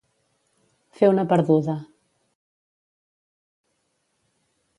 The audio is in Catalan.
Fer una perduda.